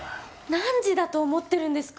何時だと思ってるんですか？